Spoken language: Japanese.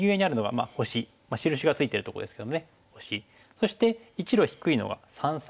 そして１路低いのが「三々」。